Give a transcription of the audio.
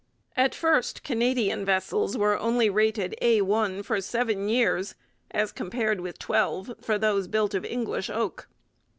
At first Canadian vessels were only rated Al for seven years, as compared with twelve for those built of English oak.